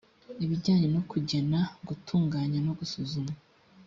ibijyanye no kugena gutunganya no gusuzuma